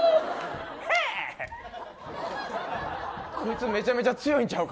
こいつ、めちゃめちゃ強いんちゃうか。